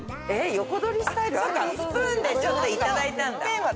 スプーンでちょっといただいたんだ。